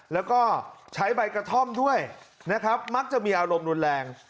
แล้วก็ใช้ใบกระท่อมด้วยนะครับมักจะมีอารมณ์รุนแรง